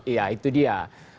iya itu dia